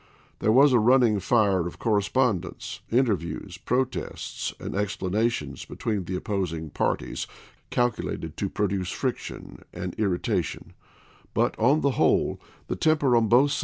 There was a running fire of correspondence, interviews, protests, and explanations between the opposing parties calculated to produce friction and irrita tion ; but, on the whole, the temper on both sides 20 ABRAHAM LINCOLN Chap. II.